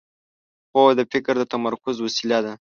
خوب د فکر د تمرکز وسیله ده